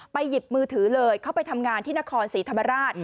หยิบมือถือเลยเข้าไปทำงานที่นครศรีธรรมราช